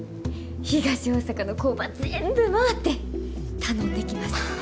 東大阪の工場全部回って頼んできます。